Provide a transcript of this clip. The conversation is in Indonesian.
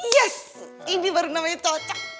yes ini baru namanya total